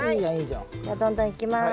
じゃどんどんいきます。